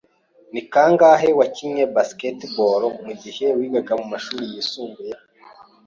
Ni kangahe wakinnye basketball mugihe wigaga mumashuri yisumbuye?